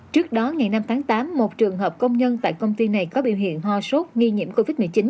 trước đó ngày năm tháng tám một trường hợp công nhân tại công ty này có biểu hiện ho sốt nghi nhiễm covid một mươi chín